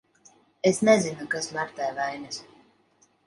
Es nezinu, kas Martai vainas.